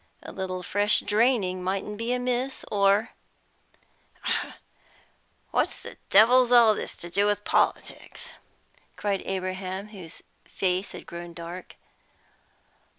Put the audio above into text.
A little fresh draining mightn't be amiss, or " "What the devil's all this to do with politics?" cried Abraham, whose face had grown dark.